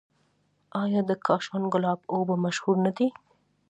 آیا د کاشان ګلاب اوبه مشهورې نه دي؟